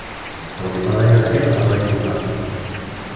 Ur yeṭallay ara akk ɣer wayen yettserrif.